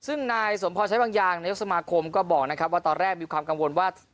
ซึ่งนายสมพรใช้บางอย่างนายกสมาคมก็บอกนะครับว่าตอนแรกมีความกังวลว่า